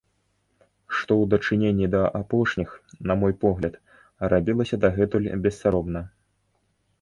Што ў дачыненні да апошніх, на мой погляд, рабілася дагэтуль бессаромна.